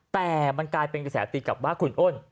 แต่มันกลายเป็นกระแสตีกลับว่าคุณอ้น